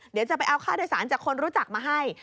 เดี๋ยวจะไปเอาค่าโดยสารจากคนรู้จักมาให้